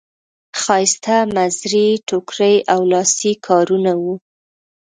ښایسته مزري ټوکري او لاسي کارونه وو.